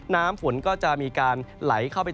น้ำฝนก็จะมีการไหลเข้าไป